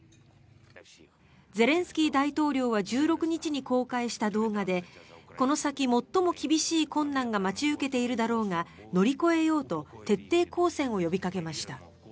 ゼレンスキー大統領は１６日に公開した動画でこの先、最も厳しい困難が待ち受けているだろうが乗り越えようと徹底抗戦を呼びかけました。